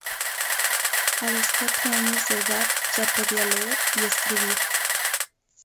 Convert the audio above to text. A los cuatro años de edad ya podía leer y escribir.